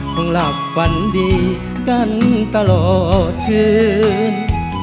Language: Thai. ต้องหลับควันดีกันตลอดคืน